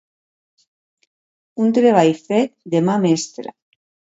Un treball fet de mà mestra.